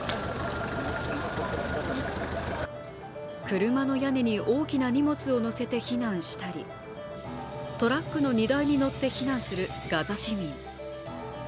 車の屋根に大きな荷物を乗せて避難したりトラックの荷台に乗って避難するガザ市民。